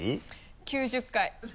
９０回。